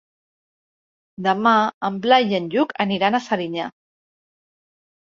Demà en Blai i en Lluc aniran a Serinyà.